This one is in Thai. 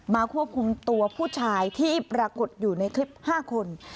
ควบคุมตัวผู้ชายที่ปรากฏอยู่ในคลิป๕คน